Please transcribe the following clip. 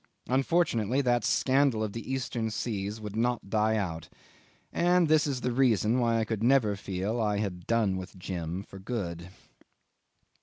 Unfortunately that scandal of the Eastern seas would not die out. And this is the reason why I could never feel I had done with Jim for good.